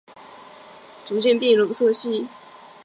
它们上身的颜色由瑞典至西伯利亚逐渐变冷色系。